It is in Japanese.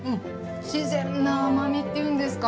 自然な甘みっていうんですか。